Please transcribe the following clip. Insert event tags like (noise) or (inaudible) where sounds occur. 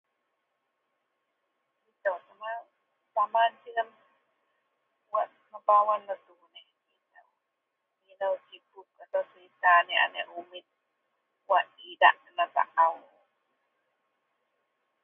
(unintelligible) aniek-aneik umit wak idak da taou